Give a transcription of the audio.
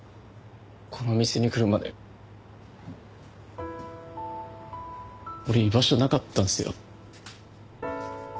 この店に来るまで俺居場所なかったんすよ。